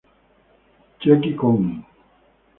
Chiaki Kon